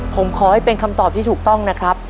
ผมขอให้เป็นคำตอบที่ถูกต้องนะครับ